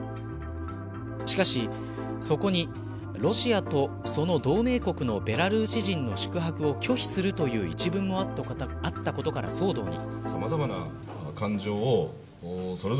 しかし、そこにロシアと、その同盟国のベラルーシ人の宿泊を拒否するという一文もあったことから騒動に。